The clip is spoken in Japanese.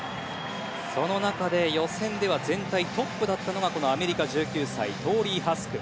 その中で予選では全体トップだったのがこのアメリカ、１９歳トーリー・ハスク。